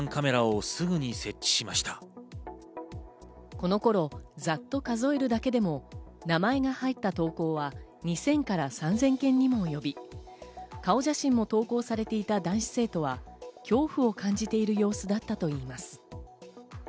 この頃、ざっと数えるだけでも名前が入った投稿は２０００から３０００件にも及び、顔写真も投稿されていた男子生徒は恐怖を感じている様子だったといいます。